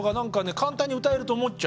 簡単に歌えると思っちゃ。